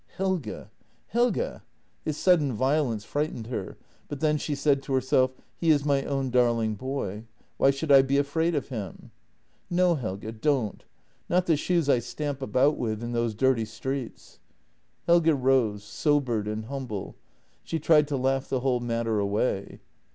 "Helge! Helge! " His sudden violence frightened her, but then she said to herself: he is my own darling boy. Why should I be afraid of him. " No, Helge — don't. Not the shoes I stamp about with in those dirty streets." Helge rose — sobered and humble. She tried to laugh the whole matter away.